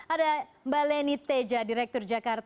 ada mbak leni teja direktur jakarta